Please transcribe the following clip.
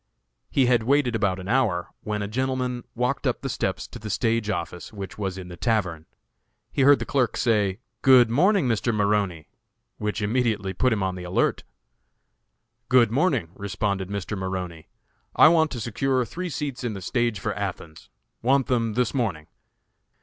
He had waited about an hour, when a gentleman walked up the steps to the stage office, which was in the tavern. He heard the clerk say, "Good morning, Mr. Maroney," which immediately put him on the alert. "Good morning," responded Mr. Maroney. "I want to secure three seats in the stage for Athens; want them this morning."